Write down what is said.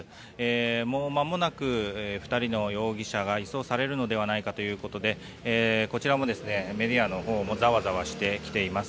もうまもなく２人の容疑者が移送されるのではないかということでこちらもメディアのほうもざわざわしてきています。